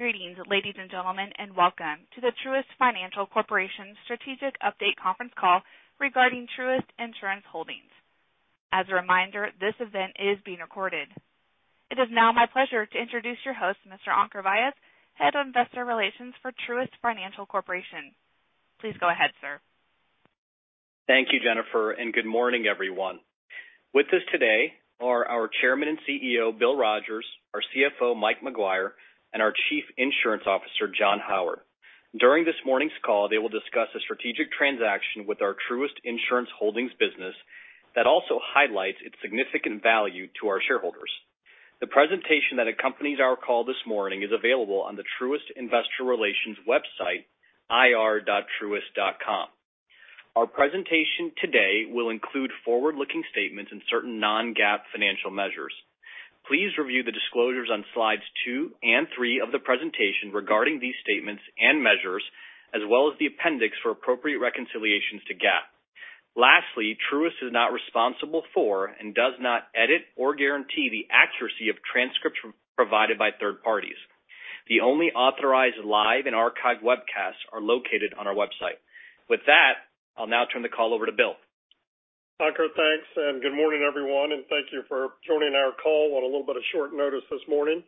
Greetings, ladies and gentlemen, and welcome to the Truist Financial Corporation Strategic Update conference call regarding Truist Insurance Holdings. As a reminder, this event is being recorded. It is now my pleasure to introduce your host, Mr. Ankur Vyas, Head of Investor Relations for Truist Financial Corporation. Please go ahead, sir. Thank you, Jennifer, and good morning, everyone. With us today are our Chairman and CEO, Bill Rogers, our CFO, Mike Maguire, and our Chief Insurance Officer, John Howard. During this morning's call, they will discuss a strategic transaction with our Truist Insurance Holdings business that also highlights its significant value to our shareholders. The presentation that accompanies our call this morning is available on the Truist Investor Relations website, ir.truist.com. Our presentation today will include forward-looking statements and certain non-GAAP financial measures. Please review the disclosures on slides two and three of the presentation regarding these statements and measures, as well as the appendix for appropriate reconciliations to GAAP. Lastly, Truist is not responsible for and does not edit or guarantee the accuracy of transcripts provided by third parties. The only authorized live and archived webcasts are located on our website. With that, I'll now turn the call over to Bill. Ankur, thanks. Good morning, everyone, and thank you for joining our call on a little bit of short notice this morning.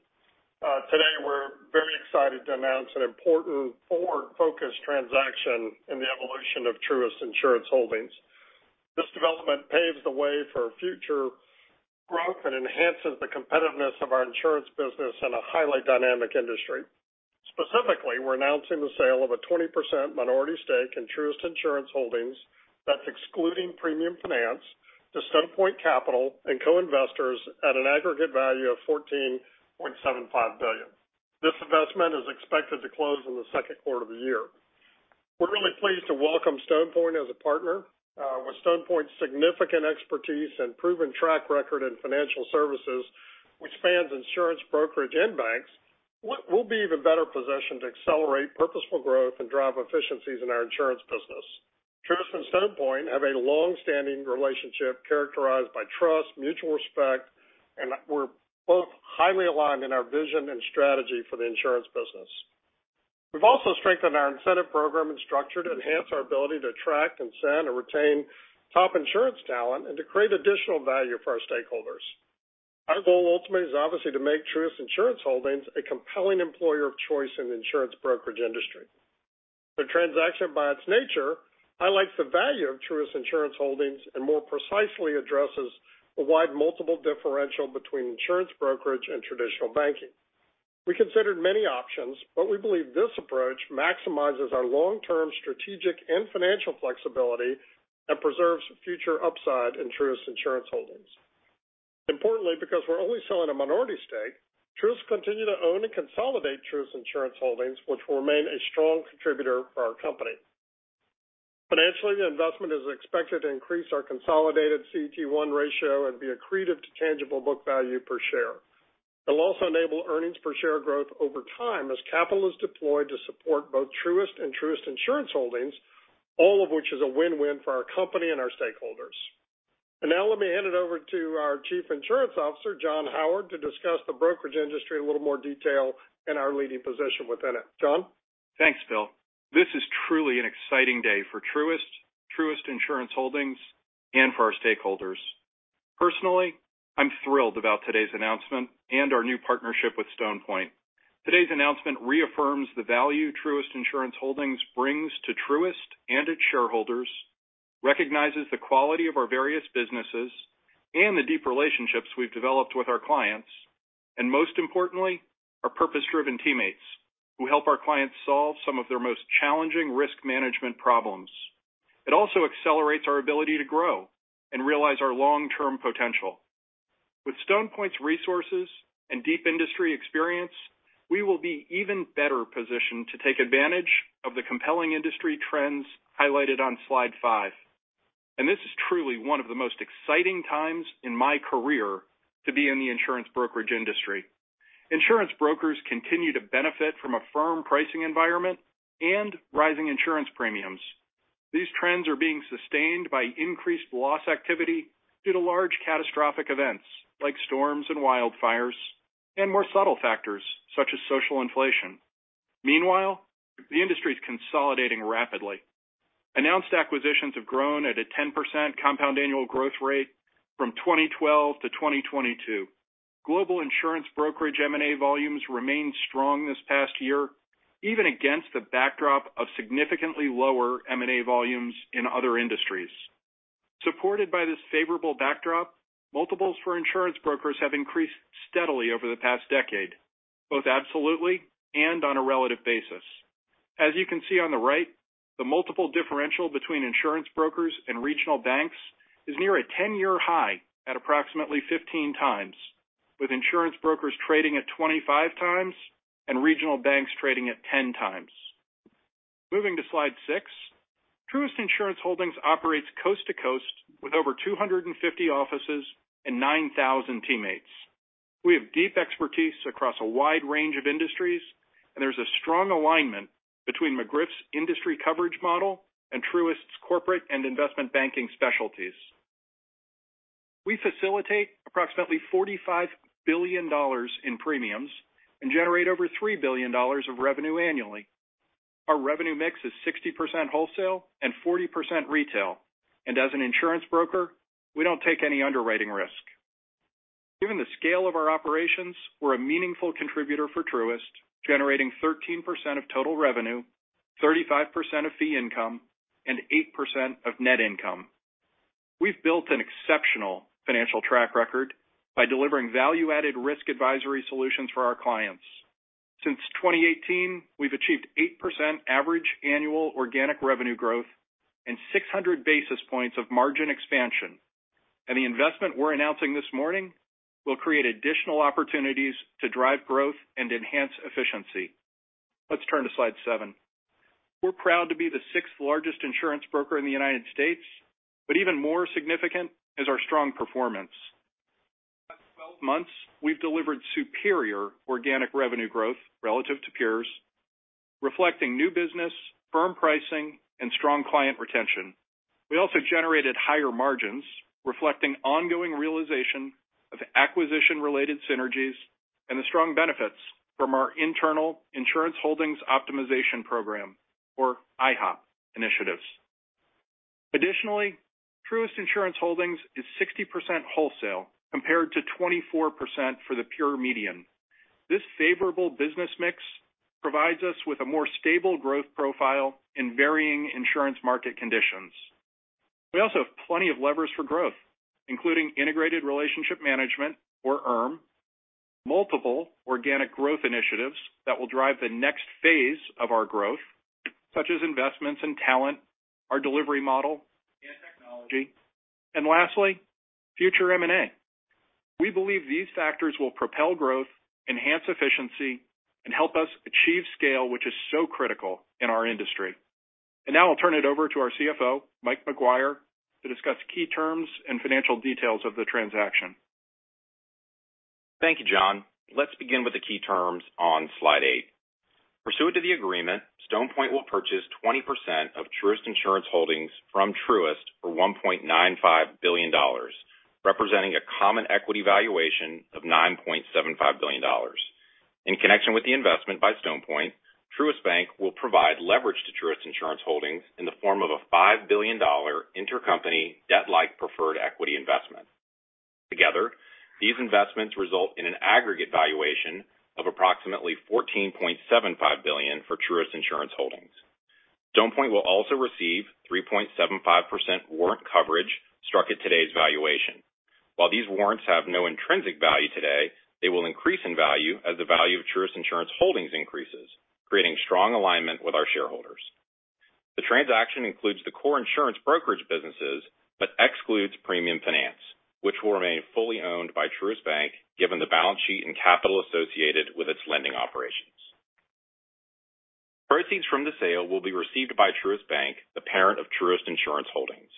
Today we're very excited to announce an important forward-focused transaction in the evolution of Truist Insurance Holdings. This development paves the way for future growth and enhances the competitiveness of our insurance business in a highly dynamic industry. Specifically, we're announcing the sale of a 20% minority stake in Truist Insurance Holdings, that's excluding premium finance, to Stone Point Capital and co-investors at an aggregate value of $14.75 billion. This investment is expected to close in the second quarter of the year. We're really pleased to welcome Stone Point as a partner. With Stone Point's significant expertise and proven track record in financial services which spans insurance brokerage and banks, we'll be even better positioned to accelerate purposeful growth and drive efficiencies in our insurance business. Truist and Stone Point have a long-standing relationship characterized by trust, mutual respect, and we're both highly aligned in our vision and strategy for the insurance business. We've also strengthened our incentive program and structure to enhance our ability to attract, incent, and retain top insurance talent and to create additional value for our stakeholders. Our goal ultimately is obviously to make Truist Insurance Holdings a compelling employer of choice in the insurance brokerage industry. The transaction, by its nature, highlights the value of Truist Insurance Holdings and more precisely addresses a wide multiple differential between insurance brokerage and traditional banking. We considered many options, but we believe this approach maximizes our long-term strategic and financial flexibility and preserves future upside in Truist Insurance Holdings. Importantly, because we're only selling a minority stake, Truist continue to own and consolidate Truist Insurance Holdings, which will remain a strong contributor for our company. Financially, the investment is expected to increase our consolidated CET1 ratio and be accretive to tangible book value per share. It'll also enable earnings per share growth over time as capital is deployed to support both Truist and Truist Insurance Holdings, all of which is a win-win for our company and our stakeholders. Now let me hand it over to our Chief Insurance Officer, John Howard, to discuss the brokerage industry in a little more detail and our leading position within it. John? Thanks, Bill. This is truly an exciting day for Truist Insurance Holdings, and for our stakeholders. Personally, I'm thrilled about today's announcement and our new partnership with Stone Point. Today's announcement reaffirms the value Truist Insurance Holdings brings to Truist and its shareholders, recognizes the quality of our various businesses and the deep relationships we've developed with our clients, and most importantly, our purpose-driven teammates who help our clients solve some of their most challenging risk management problems. It also accelerates our ability to grow and realize our long-term potential. With Stone Point's resources and deep industry experience, we will be even better positioned to take advantage of the compelling industry trends highlighted on slide five. This is truly one of the most exciting times in my career to be in the insurance brokerage industry. Insurance brokers continue to benefit from a firm pricing environment and rising insurance premiums. These trends are being sustained by increased loss activity due to large catastrophic events like storms and wildfires, and more subtle factors such as social inflation. Meanwhile, the industry is consolidating rapidly. Announced acquisitions have grown at a 10% compound annual growth rate from 2012 to 2022. Global insurance brokerage M&A volumes remained strong this past year, even against the backdrop of significantly lower M&A volumes in other industries. Supported by this favorable backdrop, multiples for insurance brokers have increased steadily over the past decade, both absolutely and on a relative basis. As you can see on the right, the multiple differential between insurance brokers and regional banks is near a 10-year high at approximately 15x, with insurance brokers trading at 25x and regional banks trading at 10x. Moving to slide six, Truist Insurance Holdings operates coast to coast with over 250 offices and 9,000 teammates. We have deep expertise across a wide range of industries. There's a strong alignment between McGriff's industry coverage model and Truist's corporate and investment banking specialties. We facilitate approximately $45 billion in premiums and generate over $3 billion of revenue annually. Our revenue mix is 60% wholesale and 40% retail. As an insurance broker, we don't take any underwriting risk. Given the scale of our operations, we're a meaningful contributor for Truist, generating 13% of total revenue, 35% of fee income, and 8% of net income. We've built an exceptional financial track record by delivering value-added risk advisory solutions for our clients. Since 2018, we've achieved 8% average annual organic revenue growth and 600 basis points of margin expansion. The investment we're announcing this morning will create additional opportunities to drive growth and enhance efficiency. Let's turn to slide seven. We're proud to be the sixth-largest insurance broker in the United States, but even more significant is our strong performance. The last 12 months, we've delivered superior organic revenue growth relative to peers, reflecting new business, firm pricing, and strong client retention. We also generated higher margins, reflecting ongoing realization of acquisition-related synergies and the strong benefits from our Internal Insurance Holdings Optimization Program or IHOP initiatives. Additionally, Truist Insurance Holdings is 60% wholesale compared to 24% for the pure median. This favorable business mix provides us with a more stable growth profile in varying insurance market conditions. We also have plenty of levers for growth, including integrated relationship management or IRM, multiple organic growth initiatives that will drive the next phase of our growth, such as investments in talent, our delivery model, and technology, and lastly, future M&A. We believe these factors will propel growth, enhance efficiency, and help us achieve scale, which is so critical in our industry. Now I'll turn it over to our CFO, Mike Maguire, to discuss key terms and financial details of the transaction. Thank you, John. Let's begin with the key terms on slide eight. Pursuant to the agreement, Stone Point will purchase 20% of Truist Insurance Holdings from Truist for $1.95 billion, representing a common equity valuation of $9.75 billion. In connection with the investment by Stone Point, Truist Bank will provide leverage to Truist Insurance Holdings in the form of a $5 billion intercompany debt-like preferred equity investment. Together, these investments result in an aggregate valuation of approximately $14.75 billion for Truist Insurance Holdings. Stone Point will also receive 3.75% warrant coverage struck at today's valuation. While these warrants have no intrinsic value today, they will increase in value as the value of Truist Insurance Holdings increases, creating strong alignment with our shareholders. The transaction includes the core insurance brokerage businesses, but excludes premium finance, which will remain fully owned by Truist Bank given the balance sheet and capital associated with its lending operations. Proceeds from the sale will be received by Truist Bank, the parent of Truist Insurance Holdings.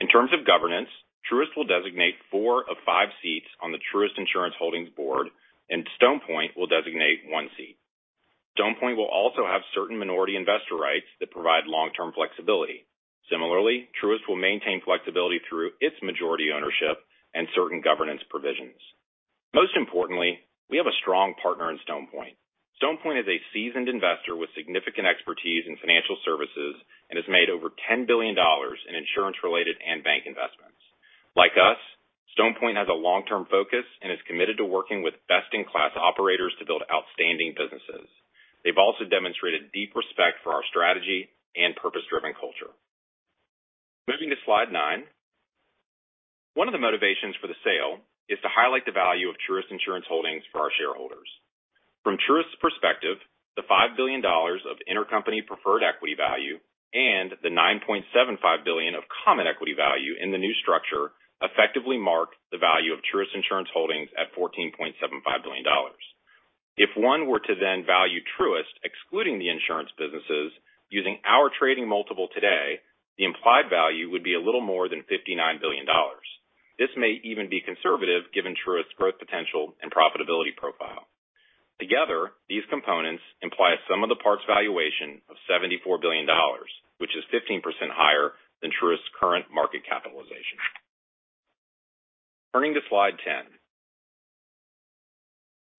In terms of governance, Truist will designate four of five seats on the Truist Insurance Holdings board, and Stone Point will designate one seat. Stone Point will also have certain minority investor rights that provide long-term flexibility. Similarly, Truist will maintain flexibility through its majority ownership and certain governance provisions. Most importantly, we have a strong partner in Stone Point. Stone Point is a seasoned investor with significant expertise in financial services and has made over $10 billion in insurance-related and bank investments. Like us, Stone Point has a long-term focus and is committed to working with best-in-class operators to build outstanding businesses. They've also demonstrated deep respect for our strategy and purpose-driven culture. Moving to slide nine. One of the motivations for the sale is to highlight the value of Truist Insurance Holdings for our shareholders. From Truist's perspective, the $5 billion of intercompany preferred equity value and the $9.75 billion of common equity value in the new structure effectively mark the value of Truist Insurance Holdings at $14.75 billion. If one were to then value Truist, excluding the insurance businesses, using our trading multiple today, the implied value would be a little more than $59 billion. This may even be conservative given Truist's growth potential and profitability profile. Together, these components imply a sum of the parts valuation of $74 billion, which is 15% higher than Truist's current market capitalization. Turning to slide 10.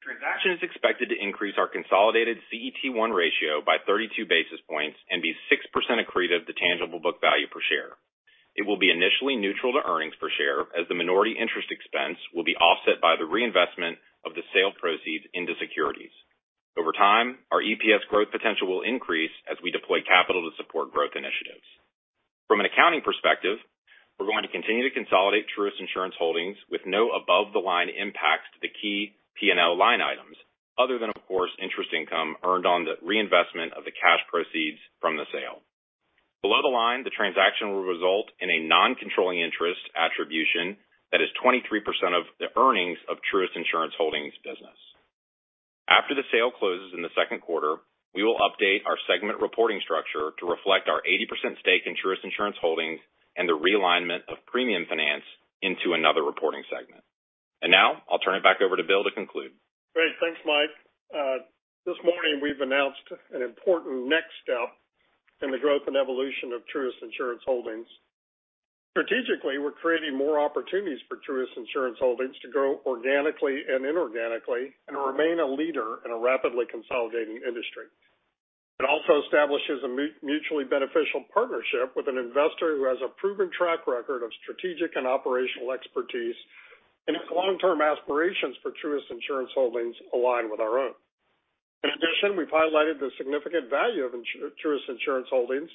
Transaction is expected to increase our consolidated CET1 ratio by 32 basis points and be 6% accretive to tangible book value per share. It will be initially neutral to earnings per share as the minority interest expense will be offset by the reinvestment of the sale proceeds into securities. Over time, our EPS growth potential will increase as we deploy capital to support growth initiatives. From an accounting perspective, we're going to continue to consolidate Truist Insurance Holdings with no above-the-line impacts to the key P&L line items, other than, of course, interest income earned on the reinvestment of the cash proceeds from the sale. Below the line, the transaction will result in a non-controlling interest attribution that is 23% of the earnings of Truist Insurance Holdings business. After the sale closes in the second quarter, we will update our segment reporting structure to reflect our 80% stake in Truist Insurance Holdings and the realignment of premium finance into another reporting segment. Now I'll turn it back over to Bill to conclude. Great. Thanks, Mike. This morning we've announced an important next step in the growth and evolution of Truist Insurance Holdings. Strategically, we're creating more opportunities for Truist Insurance Holdings to grow organically and inorganically and remain a leader in a rapidly consolidating industry. It also establishes a mutually beneficial partnership with an investor who has a proven track record of strategic and operational expertise, and its long-term aspirations for Truist Insurance Holdings align with our own. In addition, we've highlighted the significant value of Truist Insurance Holdings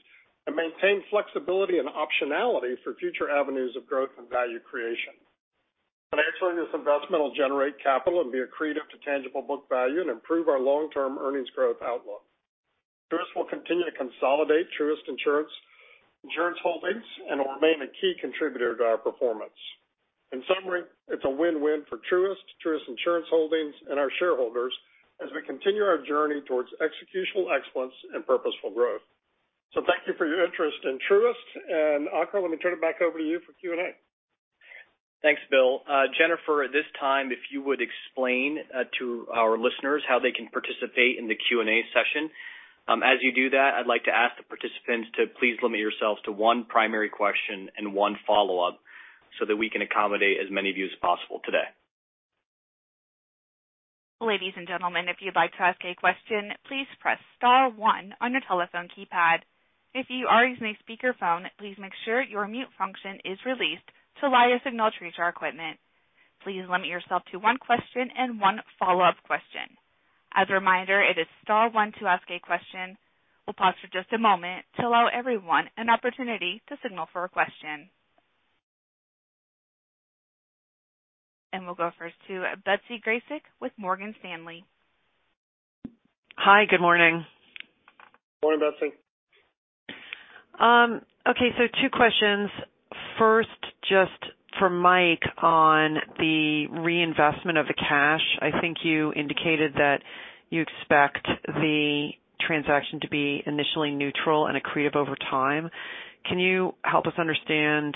and maintained flexibility and optionality for future avenues of growth and value creation. Financially, this investment will generate capital and be accretive to tangible book value and improve our long-term earnings growth outlook. Truist will continue to consolidate Truist Insurance Holdings and will remain a key contributor to our performance. In summary, it's a win-win for Truist Insurance Holdings, and our shareholders as we continue our journey towards executional excellence and purposeful growth. Thank you for your interest in Truist. Ankur, let me turn it back over to you for Q&A. Thanks, Bill. Jennifer, at this time, if you would explain to our listeners how they can participate in the Q&A session. As you do that, I'd like to ask the participants to please limit yourselves to one primary question and one follow-up so that we can accommodate as many of you as possible today. Ladies and gentlemen, if you'd like to ask a question, please press star one on your telephone keypad. If you are using a speakerphone, please make sure your mute function is released to allow your signal to reach our equipment. Please limit yourself to one question and one follow-up question. As a reminder, it is star one to ask a question. We'll pause for just a moment to allow everyone an opportunity to signal for a question. We'll go first to Betsy Graseck with Morgan Stanley. Hi. Good morning. Morning, Betsy. Okay, two questions. First, just for Mike on the reinvestment of the cash. I think you indicated that you expect the transaction to be initially neutral and accretive over time. Can you help us understand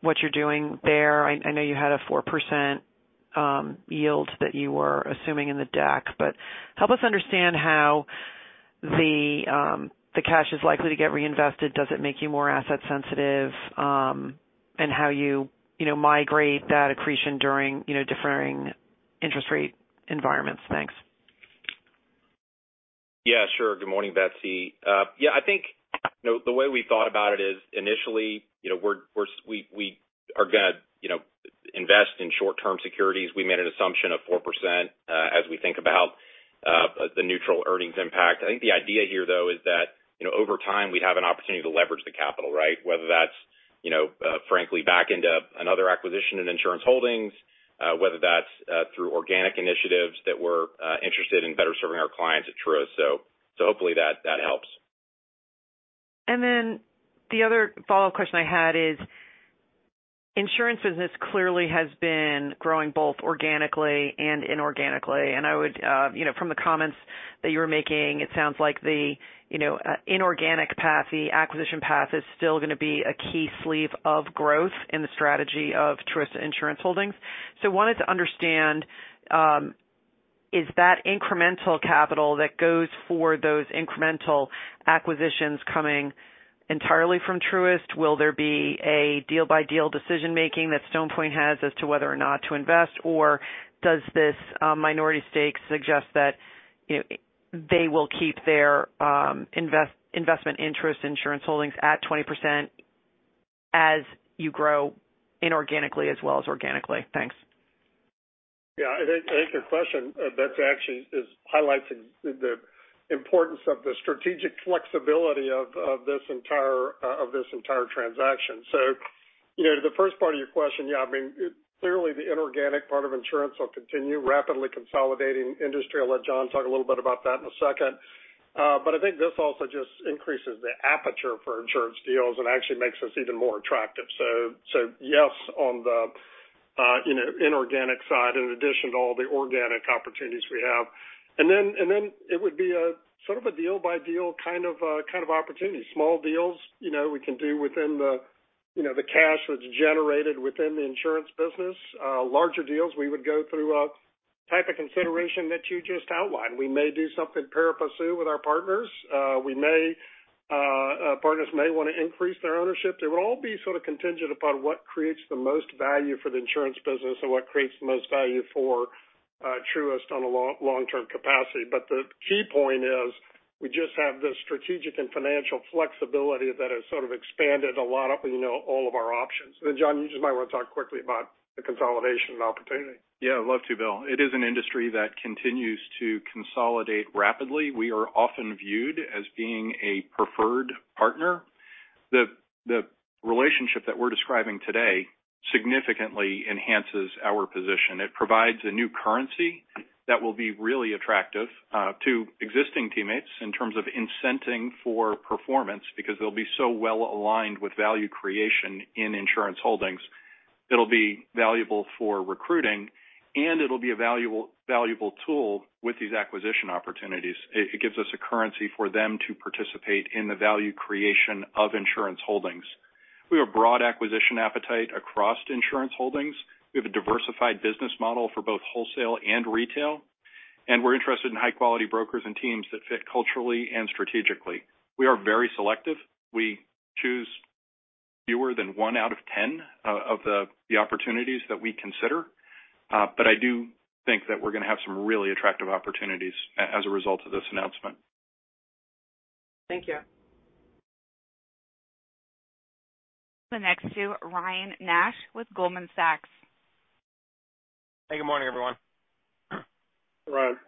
what you're doing there? I know you had a 4% yield that you were assuming in the deck, but help us understand how the cash is likely to get reinvested. Does it make you more asset sensitive, and how you know, migrate that accretion during, you know, differing interest rate environments? Thanks. Yeah, sure. Good morning, Betsy. Yeah, I think, you know, the way we thought about it is initially, you know, we are gonna, you know, invest in short-term securities. We made an assumption of 4%, as we think about the neutral earnings impact. I think the idea here, though, is that, you know, over time, we'd have an opportunity to leverage the capital, right? Whether that's, you know, frankly, back into another acquisition in Insurance Holdings, whether that's through organic initiatives that we're interested in better serving our clients at Truist. Hopefully that helps. The other follow-up question I had is, insurance business clearly has been growing both organically and inorganically. I would, you know, from the comments that you were making, it sounds like the, you know, inorganic path, the acquisition path is still gonna be a key sleeve of growth in the strategy of Truist Insurance Holdings. Wanted to understand, is that incremental capital that goes for those incremental acquisitions coming entirely from Truist? Will there be a deal-by-deal decision-making that Stone Point has as to whether or not to invest? Does this minority stake suggest that, you know, they will keep their investment interest Insurance Holdings at 20% as you grow inorganically as well as organically? Thanks. Yeah, I think it's a good question. That's actually is highlighting the importance of the strategic flexibility of this entire, of this entire transaction. You know, the first part of your question, yeah, I mean, clearly the inorganic part of insurance will continue rapidly consolidating industry. I'll let John talk a little bit about that in a second. I think this also just increases the aperture for insurance deals and actually makes us even more attractive. Yes, on the, you know, inorganic side, in addition to all the organic opportunities we have. Then it would be a sort of a deal-by-deal kind of, kind of opportunity. Small deals, you know, we can do within the, you know, the cash that's generated within the insurance business. Larger deals, we would go through a type of consideration that you just outlined. We may do something pari passu with our partners. We may, our partners may wanna increase their ownership. They will all be sort of contingent upon what creates the most value for the insurance business or what creates the most value for Truist on a long, long-term capacity. The key point is we just have the strategic and financial flexibility that has sort of expanded a lot of, you know, all of our options. John, you just might want to talk quickly about the consolidation and opportunity. Yeah, I'd love to, Bill. It is an industry that continues to consolidate rapidly. We are often viewed as being a preferred partner. The relationship that we're describing today significantly enhances our position. It provides a new currency that will be really attractive to existing teammates in terms of incenting for performance, because they'll be so well aligned with value creation in Insurance Holdings. It'll be valuable for recruiting, and it'll be a valuable tool with these acquisition opportunities. It gives us a currency for them to participate in the value creation of Insurance Holdings. We have a broad acquisition appetite across Insurance Holdings. We have a diversified business model for both wholesale and retail, and we're interested in high quality brokers and teams that fit culturally and strategically. We are very selective. We choose fewer than one out of 10 of the opportunities that we consider. I do think that we're gonna have some really attractive opportunities as a result of this announcement. Thank you. The next to Ryan Nash with Goldman Sachs. Hey, good morning, everyone. Ryan.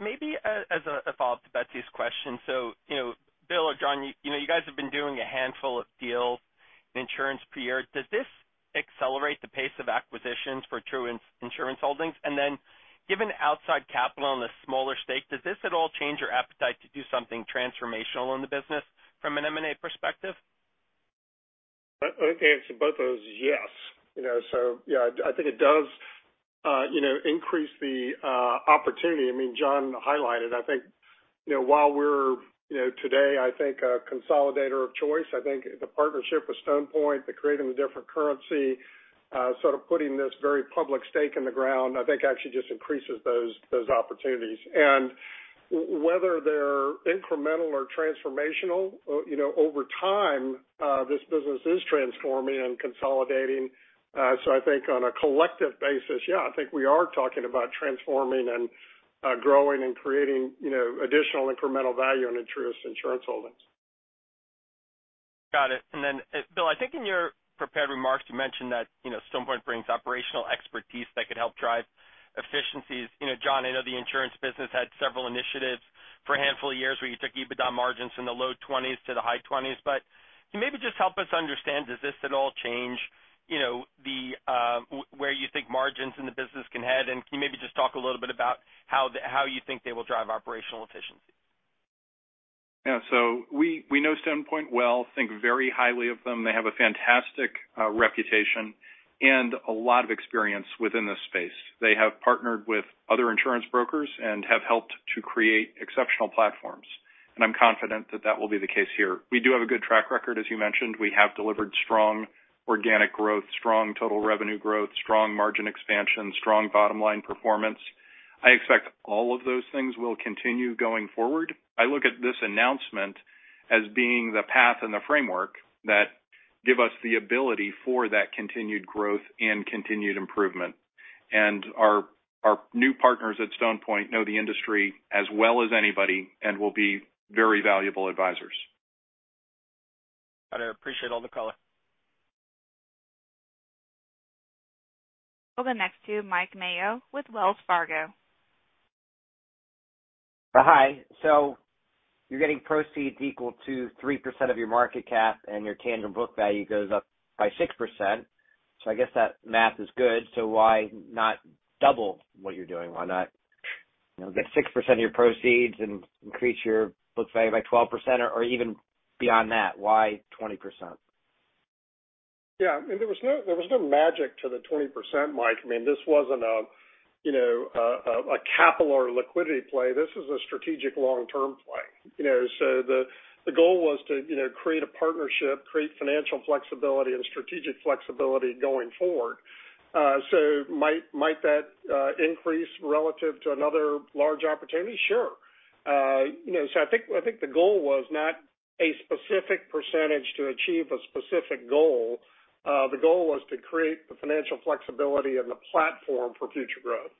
Maybe as a follow-up to Betsy's question. You know, Bill or John, you know, you guys have been doing a handful of deals in insurance per year. Does this accelerate the pace of acquisitions for Truist Insurance Holdings? Given outside capital and the smaller stake, does this at all change your appetite to do something transformational in the business from an M&A perspective? I think the answer to both those is yes. You know, so yeah, I think it does, you know, increase the opportunity. I mean, John highlighted, I think, you know, while we're, you know, today, I think a consolidator of choice, I think the partnership with Stone Point, the creating the different currency, sort of putting this very public stake in the ground, I think actually just increases those opportunities. Whether they're incremental or transformational, you know, over time, this business is transforming and consolidating. I think on a collective basis, yeah, I think we are talking about transforming and growing and creating, you know, additional incremental value on the Truist Insurance Holdings. Got it. Bill, I think in your prepared remarks, you mentioned that, you know, Stone Point brings operational expertise that could help drive efficiencies. You know, John, I know the insurance business had several initiatives for a handful of years where you took EBITDA margins from the low 20s to the high 20s, can you maybe just help us understand, does this at all change, you know, where you think margins in the business can head? Can you maybe just talk a little bit about how you think they will drive operational efficiency? Yeah. We know Stone Point well, think very highly of them. They have a fantastic reputation and a lot of experience within this space. They have partnered with other insurance brokers and have helped to create exceptional platforms, and I'm confident that that will be the case here. We do have a good track record, as you mentioned. We have delivered strong organic growth, strong total revenue growth, strong margin expansion, strong bottom line performance. I expect all of those things will continue going forward. I look at this announcement as being the path and the framework that give us the ability for that continued growth and continued improvement. Our new partners at Stone Point know the industry as well as anybody and will be very valuable advisors. I appreciate all the color. We'll go next to Mike Mayo with Wells Fargo. Hi. You're getting proceeds equal to 3% of your market cap and your tangible book value goes up by 6%. I guess that math is good. Why not double what you're doing? Why not, you know, get 6% of your proceeds and increase your book value by 12% or even beyond that? Why 20%? I mean, there was no magic to the 20%, Mike. I mean, this wasn't a, you know, a capital or liquidity play. This is a strategic long-term play. You know, the goal was to, you know, create a partnership, create financial flexibility and strategic flexibility going forward. So might that increase relative to another large opportunity? Sure. You know, I think the goal was not a specific percentage to achieve a specific goal. The goal was to create the financial flexibility and the platform for future growth.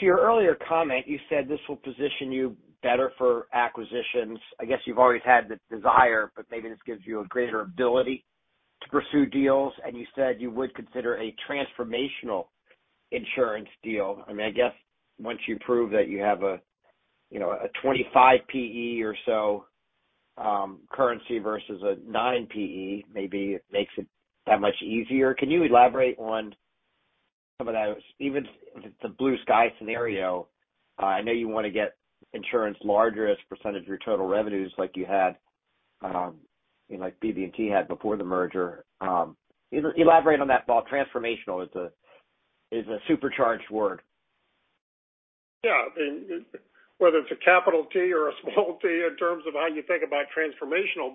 To your earlier comment, you said this will position you better for acquisitions. I guess you've always had the desire, but maybe this gives you a greater ability to pursue deals, and you said you would consider a transformational insurance deal. I mean, I guess once you prove that you have a, you know, a 25 PE or so, currency versus a 9 PE, maybe it makes it that much easier. Can you elaborate on some of those? Even the blue sky scenario, I know you want to get insurance larger as a percentage of your total revenues like you had, you know, like BB&T had before the merger. Elaborate on that thought. Transformational is a, is a supercharged word. Yeah. I mean, whether it's a capital T or a small T in terms of how you think about transformational,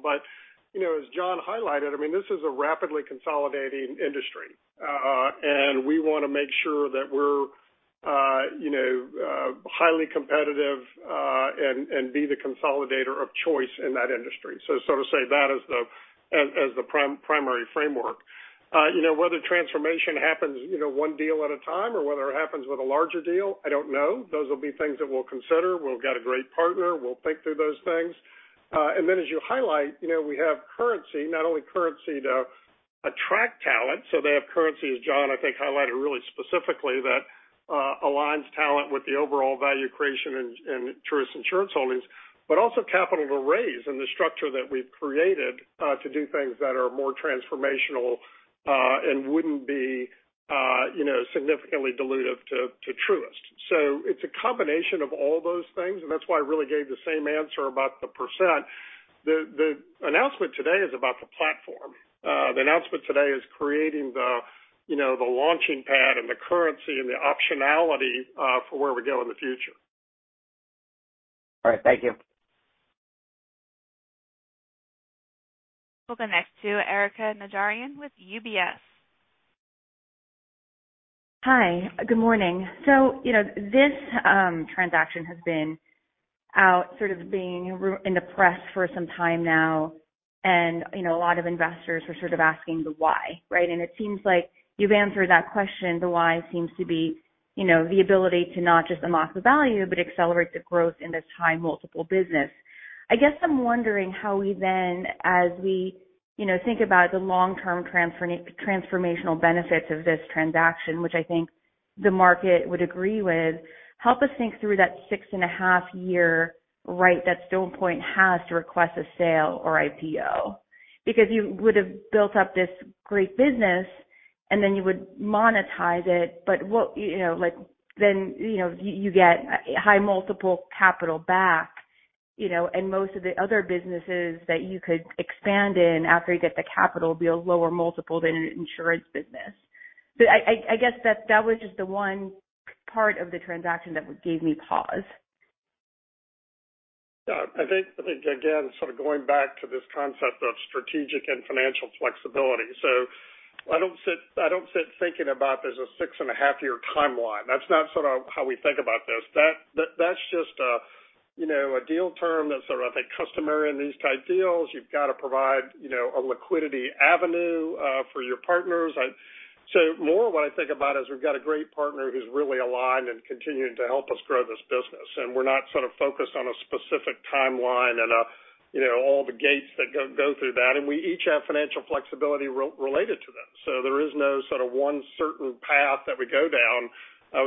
you know, as John highlighted, I mean, this is a rapidly consolidating industry, and we want to make sure that we're, you know, highly competitive, and be the consolidator of choice in that industry. Sort of say that as the primary framework. You know, whether transformation happens, you know, one deal at a time or whether it happens with a larger deal, I don't know. Those will be things that we'll consider. We've got a great partner. We'll think through those things. As you highlight, you know, we have currency, not only currency to attract talent, so they have currency, as John, I think, highlighted really specifically, that aligns talent with the overall value creation in Truist Insurance Holdings, but also capital to raise and the structure that we've created to do things that are more transformational and wouldn't be, you know, significantly dilutive to Truist. It's a combination of all those things, and that's why I really gave the same answer about the percent. The announcement today is about the platform. The announcement today is creating the, you know, launching pad and the currency and the optionality for where we go in the future. All right, thank you. We'll go next to Erika Najarian with UBS. Hi, good morning. You know, this transaction has been out sort of being in the press for some time now, you know, a lot of investors are sort of asking the why, right? It seems like you've answered that question. The why seems to be, you know, the ability to not just unlock the value, but accelerate the growth in this high multiple business. I guess I'm wondering how we then as we, you know, think about the long-term transformational benefits of this transaction, which I think the market would agree with, help us think through that six and a half year right that Stone Point has to request a sale or IPO. You would've built up this great business and then you would monetize it, what, you know, like then, you know, you get high multiple capital back, you know, and most of the other businesses that you could expand in after you get the capital will be a lower multiple than an insurance business. I guess that was just the one part of the transaction that gave me pause. Yeah. I think again, sort of going back to this concept of strategic and financial flexibility. I don't sit thinking about there's a six and a half year timeline. That's not sort of how we think about this. That's just a, you know, a deal term that's sort of I think customary in these type deals. You've got to provide, you know, a liquidity avenue for your partners. More what I think about is we've got a great partner who's really aligned and continuing to help us grow this business. We're not sort of focused on a specific timeline and a, you know, all the gates that go through that, and we each have financial flexibility related to this. There is no sort of one certain path that we go down.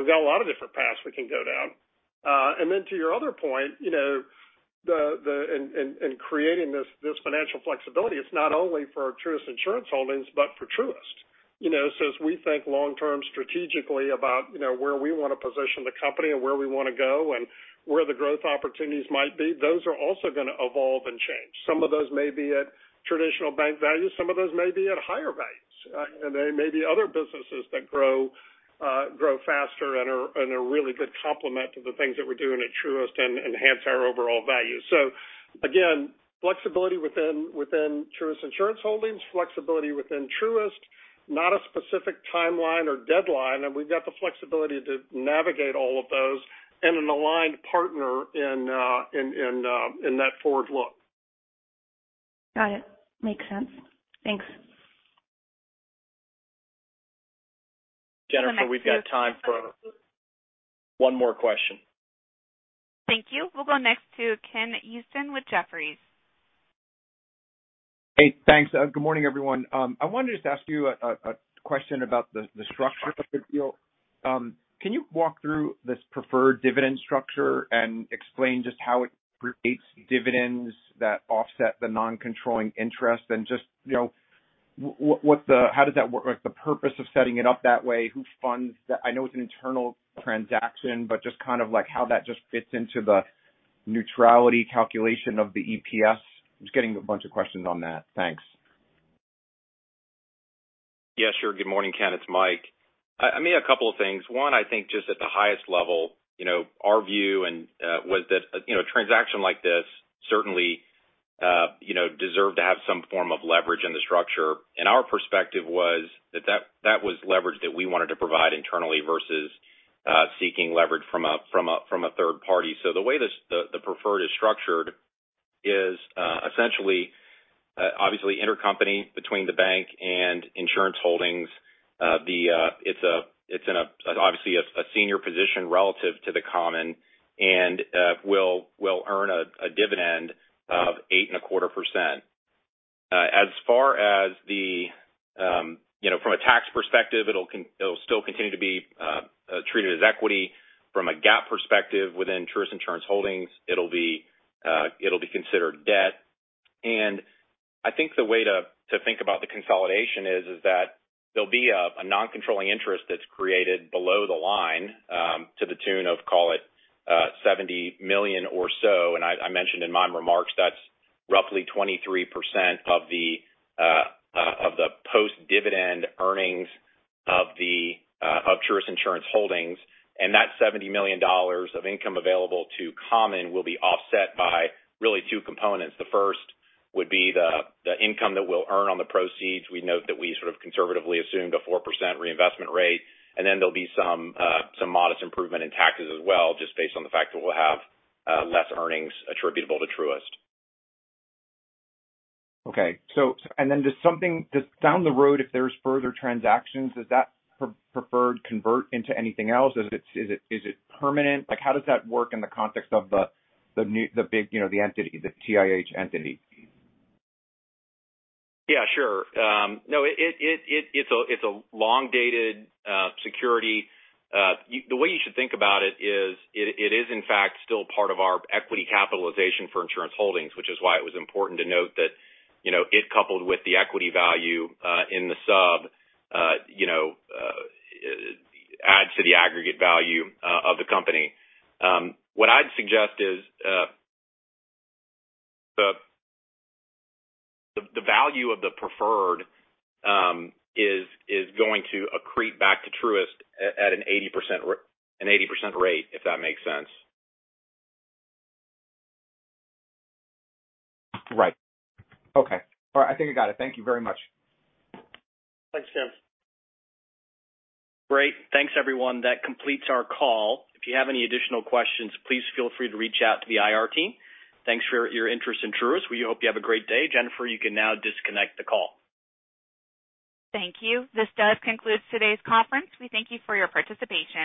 We've got a lot of different paths we can go down. Then to your other point, you know, the in creating this financial flexibility, it's not only for Truist Insurance Holdings, but for Truist. You know, as we think long-term strategically about, you know, where we want to position the company and where we want to go and where the growth opportunities might be, those are also gonna evolve and change. Some of those may be at traditional bank values, some of those may be at higher values. There may be other businesses that grow faster and are really good complement to the things that we're doing at Truist and enhance our overall value. Again, flexibility within Truist Insurance Holdings, flexibility within Truist, not a specific timeline or deadline. We've got the flexibility to navigate all of those and an aligned partner in that forward look. Got it. Makes sense. Thanks. Jennifer, we've got time for one more question. Thank you. We'll go next to Ken Usdin with Jefferies. Hey, thanks. Good morning, everyone. I wanted to just ask you a question about the structure of the deal. Can you walk through this preferred dividend structure and explain just how it creates dividends that offset the non-controlling interest? Just, you know, how does that work? Like, the purpose of setting it up that way, I know it's an internal transaction, but just kind of like how that just fits into the neutrality calculation of the EPS. Just getting a bunch of questions on that. Thanks. Yeah, sure. Good morning, Ken, it's Mike. I mean, a couple of things. One, I think just at the highest level, you know, our view was that, you know, a transaction like this certainly, you know, deserved to have some form of leverage in the structure. Our perspective was that was leverage that we wanted to provide internally versus seeking leverage from a third party. The way the preferred is structured is essentially obviously intercompany between Truist Bank and Truist Insurance Holdings. It's in a obviously a senior position relative to the common and will earn a dividend of 8.25%. As far as the, you know, from a tax perspective, it'll still continue to be treated as equity. From a GAAP perspective within Truist Insurance Holdings, it'll be considered debt. I think the way to think about the consolidation is that there'll be a non-controlling interest that's created below the line, to the tune of, call it, $70 million or so. I mentioned in my remarks, that's roughly 23% of the post-dividend earnings of Truist Insurance Holdings. That $70 million of income available to common will be offset by really two components. The first would be the income that we'll earn on the proceeds. We note that we sort of conservatively assumed a 4% reinvestment rate, then there'll be some modest improvement in taxes as well, just based on the fact that we'll have less earnings attributable to Truist. Does down the road, if there's further transactions, does that preferred convert into anything else? Is it permanent? Like, how does that work in the context of the new, the big, you know, the entity, the TIH entity? Yeah, sure. No, it's a long-dated security. The way you should think about it is it is in fact still part of our equity capitalization for Insurance Holdings, which is why it was important to note that, you know, it coupled with the equity value in the sub, you know, adds to the aggregate value of the company. What I'd suggest is the value of the preferred is going to accrete back to Truist at an 80% rate, if that makes sense. Right. Okay. All right. I think I got it. Thank you very much. Thanks, Ken. Great. Thanks, everyone. That completes our call. If you have any additional questions, please feel free to reach out to the IR team. Thanks for your interest in Truist. We hope you have a great day. Jennifer, you can now disconnect the call. Thank you. This does conclude today's conference. We thank you for your participation.